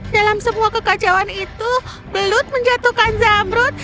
dalam semua kekacauan itu blut menjatuhkan zamrud